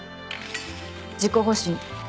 自己保身。